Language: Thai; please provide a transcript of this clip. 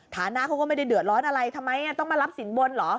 ฐานะเขาก็ไม่ได้เดือดร้อนอะไรทำไมต้องมารับสินบนเหรอ